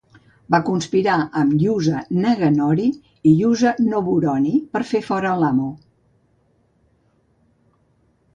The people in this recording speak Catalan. Va conspirar amb Yusa Naganori i Yusa Nobunori per fer fora a l'amo.